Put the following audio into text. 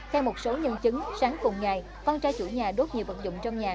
theo một số nhân chứng sáng cùng ngày con trai chủ nhà đốt nhiều vật dụng trong nhà